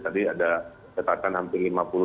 tadi ada cetakan hampir lima puluh